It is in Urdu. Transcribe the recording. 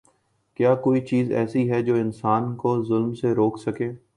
کیا کوئی چیز ایسی ہے جو انسان کو ظلم سے روک سکے؟